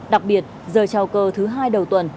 đặc biệt giờ trao cơ thứ hai đầu tuần